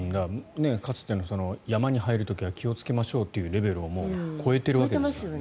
かつての山に入る時は気をつけましょうというレベルをもう超えているわけですよね。